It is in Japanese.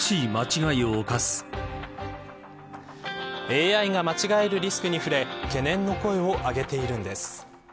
ＡＩが間違えるリスクに触れ懸念の声を上げているんです。